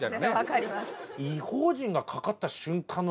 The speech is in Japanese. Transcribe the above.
分かります。